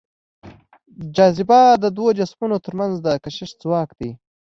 جاذبه د دوو جسمونو تر منځ د کشش ځواک دی.